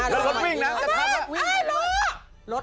แล้วรถวิ่งนะอ้าวรถ